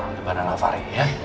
amdebanan avari ya